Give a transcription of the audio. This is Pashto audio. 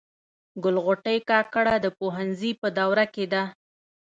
ګل غوټۍ کاکړه د پوهنځي په دوره کي ده.